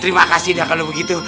terima kasih dah kalau begitu